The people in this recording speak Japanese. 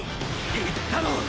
言ったろ！！